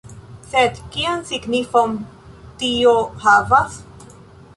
Sed kian signifon tio havas?